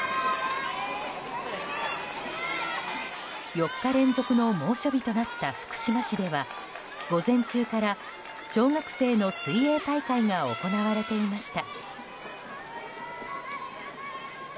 ４日連続の猛暑日となった福島市では午前中から小学生の水泳大会が行われていました。